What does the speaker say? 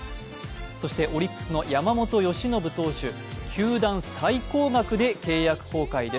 そして、オリックスの山本由伸投手球団最高額で契約更改です。